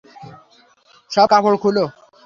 সব কাপড় খুলো।